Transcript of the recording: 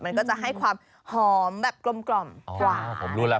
มันก็จะให้ความหอมแบบกลมกว่า